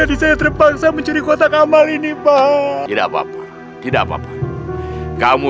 ini akibat dari perbuatan kamu